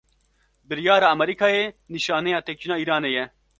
Biryara Emerîkayê, nîşaneya têkçûna Îranê ye